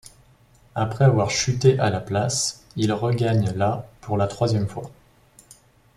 Après avoir chuté à la place, elle regagne la pour la troisième fois.